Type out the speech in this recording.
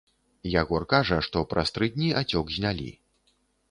Ягор кажа, што праз тры дні ацёк знялі.